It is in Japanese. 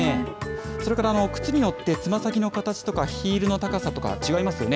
それから靴によって、つま先の形とかヒールの高さ、違いますよね。